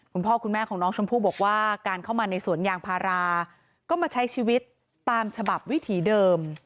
คุณพ่อคุณแม่ของน้องชมพู่บอกว่าการเข้ามาในสวนยางพาราก็มาใช้ชีวิตตามฉบับวิถีเดิม